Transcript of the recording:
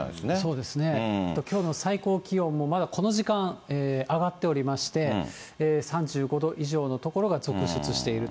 そうですね、きょうの最高気温もまだこの時間、上がっておりまして、３５度以上の所が続出していると。